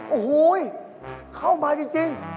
โอ้โหเข้ามาจริง